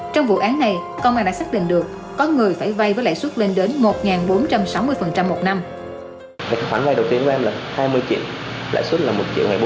trong vụ án này công an đã xác định được có người phải vay với lãi suất lên đến một bốn trăm sáu mươi một năm